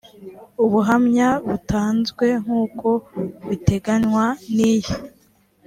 ubuhamya butanzwe nk uko biteganwa n iyi